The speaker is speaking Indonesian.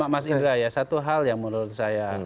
mas indra ya satu hal yang menurut saya